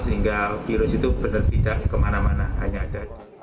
sehingga virus itu benar tidak kemana mana hanya ada